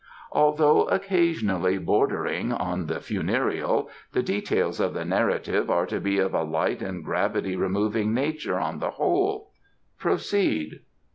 Although occasionally bordering on the funereal, the details of the narrative are to be of a light and gravity removing nature on the whole. Proceed."